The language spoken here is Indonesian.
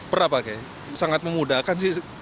berapa kayaknya sangat memudahkan sih